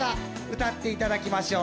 歌っていただきましょう